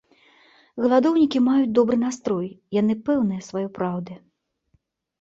Галадоўнікі маюць добры настрой, яны пэўныя сваёй праўды.